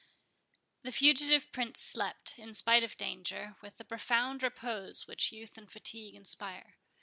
The fugitive Prince slept, in spite of danger, with the profound repose which youth and fatigue inspire.